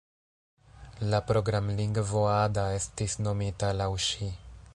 La programlingvo Ada estis nomita laŭ ŝi.